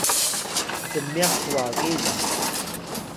cmyax wagi la